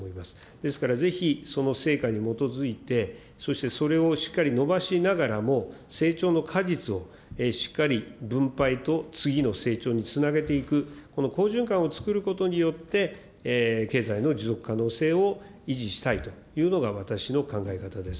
ですからぜひ、その成果に基づいてそしてそれをしっかり伸ばしながらも、成長の果実を、しっかり分配と次の成長につなげていく、この好循環を作ることによって、経済の持続可能性を維持したいというのが、私の考え方です。